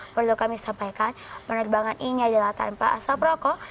perlu kami sampaikan penerbangan ini adalah tanpa asap rokok